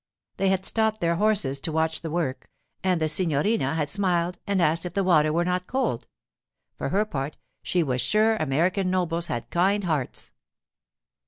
They had stopped their horses to watch the work, and the signorina had smiled and asked if the water were not cold; for her part, she was sure American nobles had kind hearts.